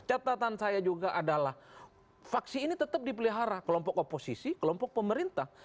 catatan saya juga adalah faksi ini tetap dipelihara kelompok oposisi kelompok pemerintah